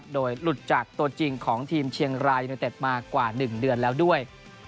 โดยหลุดจากตัวจริงของทีมเชียงรายยูเนเต็ดมากว่า๑เดือนแล้วด้วย